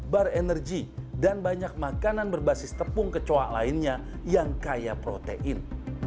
bar energy dan banyak makanan berbasis tepung kecoa lainnya yang kaya protein